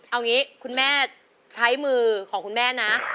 เอางี้คุณแม่ใช้มือของคุณแม่นะ